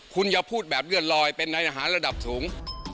คุณอย่าพูดแบบเลื่อนลอยเป็นในทหารระดับสูง